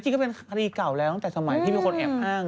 ก็เป็นคดีเก่าแล้วตั้งแต่สมัยที่มีคนแอบอ้าง